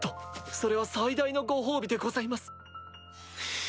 それは最大のご褒美でございます。